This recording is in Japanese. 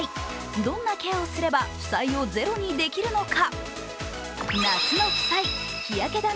どんなケアをすれば負債をゼロにできるのか。